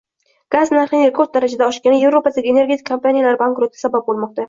Gaz narxining rekord darajada oshgani Yevropadagi energetika kompaniyalari bankrotiga sabab bo‘lmoqda